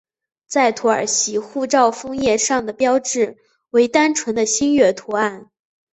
在土耳其护照封页上的标志为单纯的星月图案。